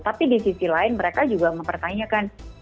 tapi di sisi lain mereka juga mempertanyakan